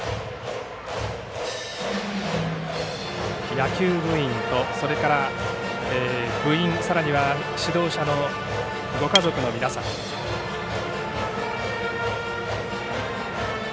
野球部員とそれから部員、さらには指導者のご家族の皆さん。